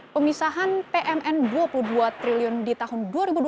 pemisahan asuransi ini akan menyebabkan penyelenggaraan penyelenggaraan asuransi ini